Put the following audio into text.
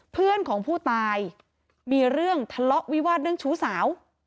เพื่อนของผู้ตายมีเรื่องทะเลาะวิวาสเรื่องชู้สาว